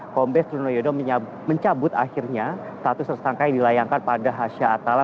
kombe strono yodo mencabut akhirnya status tersangka yang dilayangkan pada hasha atala